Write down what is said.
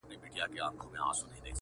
هر گړی ځانته د امن لوری گوري.!